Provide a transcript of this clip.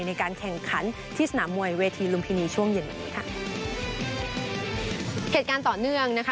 ในการแข่งขันที่สนามมวยเวทีลุมพินีช่วงเย็นวันนี้ค่ะเหตุการณ์ต่อเนื่องนะคะ